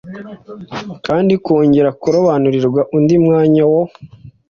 kandi kongera kurobanurirwa undi mwanya wo